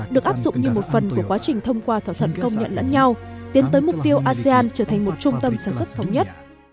được áp dụng như một phần của quá trình thông qua thỏa thuận công nhận lẫn nhau tiến tới mục tiêu asean trở thành một trung tâm sản xuất thống nhất